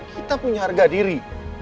kita punya harga diri